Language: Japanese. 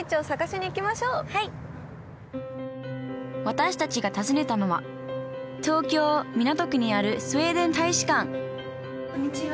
私たちが訪ねたのは東京・港区にあるスウェーデン大使館こんにちは。